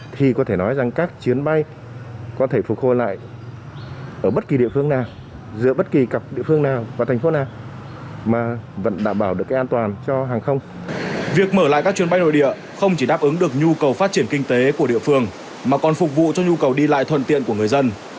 việc mở lại các chuyến bay nội địa không chỉ đáp ứng được nhu cầu phát triển kinh tế của địa phương mà còn phục vụ cho nhu cầu đi lại thuận tiện của người dân